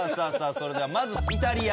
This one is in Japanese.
それではまずイタリア。